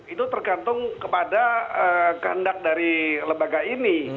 itu tergantung kepada kehendak dari lembaga ini